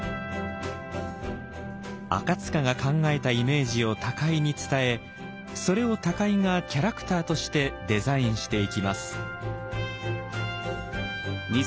赤が考えたイメージを高井に伝えそれを高井がキャラクターとしてデザインしていきます。